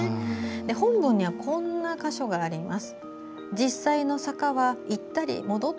本文には、こんな箇所があります。